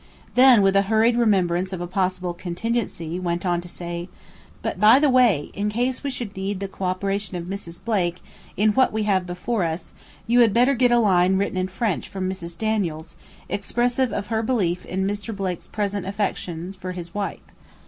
Then with a hurried remembrance of a possible contingency, went on to say, "But, by the way, in case we should need the cooperation of Mrs. Blake in what we have before us, you had better get a line written in French from Mrs. Daniels, expressive of her belief in Mr. Blake's present affection for his wife.